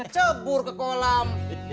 cebur ke kolam